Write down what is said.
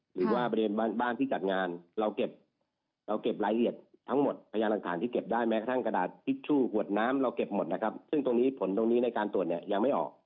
หรือว่าบริเวณบ้านที่จัดงานเราเก็บเราเก็บรายละเอียดทั้งหมดพยานหลักฐานที่เก็บได้แม้กระทั่งกระดาษทิชชู่ขวดน้ำเราเก็บหมดนะครับซึ่งตรงนี้ผลตรงนี้ในการตรวจเนี่ยยังไม่ออก